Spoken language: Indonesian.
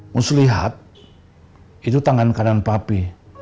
muslihat itu tangan kanan bape